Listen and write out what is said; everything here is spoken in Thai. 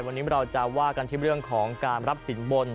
วันนี้เราจะว่ากันที่เรื่องของการรับสินบน